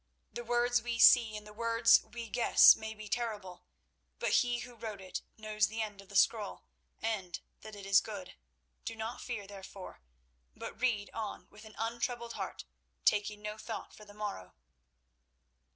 The words we see and the words we guess may be terrible, but He who wrote it knows the end of the scroll, and that it is good. Do not fear, therefore, but read on with an untroubled heart, taking no thought for the morrow."